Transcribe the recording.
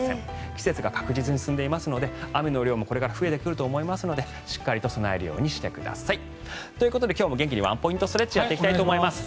季節が確実に進んでいますので雨の量もこれから増えてくると思いますのでしっかりと備えるようにしてください。ということで今日も元気にワンポイントストレッチやっていきたいと思います。